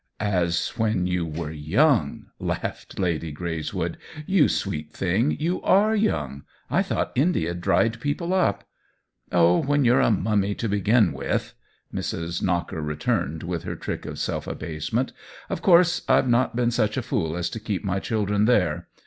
"As when you were young!" laughed Lady Greyswood. " You sweet thing, you are young. I thought India dried people up. "Oh, when you're a mummy to begin with!" Mrs. Knocker returned, with her trick of self abasement. "Of course I've not been such a fool as to keep my children there.